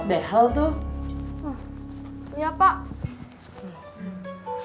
bunga katanya mau lepas bh tuh